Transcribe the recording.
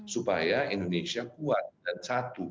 supaya indonesia kuat dan satu